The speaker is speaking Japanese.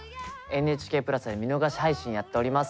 ＮＨＫプラスで見逃し配信やっております。